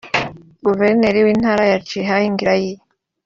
Guverineri w’Intara ya Chiang Rai